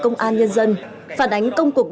công an nhân dân phản ánh công cuộc